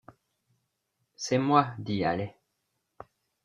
C’est moi, dit Halley.